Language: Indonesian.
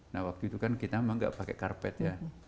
nah waktu itu kan kita memang nggak pakai karpet ya